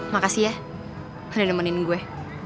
makasih ya udah nemenin gue